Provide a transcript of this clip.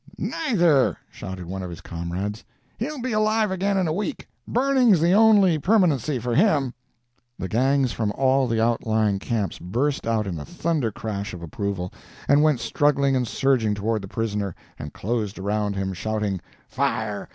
"Neither!" shouted one of his comrades. "He'll be alive again in a week; burning's the only permanency for him." The gangs from all the outlying camps burst out in a thunder crash of approval, and went struggling and surging toward the prisoner, and closed around him, shouting, "Fire!